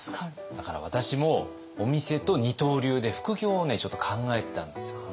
だから私もお店と二刀流で副業をねちょっと考えてたんですよね。